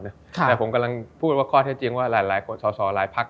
แต่ผมกำลังพูดว่าข้อเท็จจริงว่าหลายคนสอสอหลายพัก